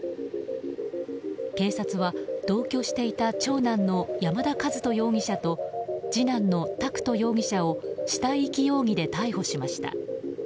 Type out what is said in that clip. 警察は同居していた長男の山田和人容疑者と次男の拓人容疑者を死体遺棄容疑で逮捕しました。